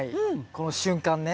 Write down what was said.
この瞬間ね。